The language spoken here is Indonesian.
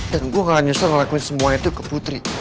dan gue gak akan nyesel ngelakuin semua itu ke putri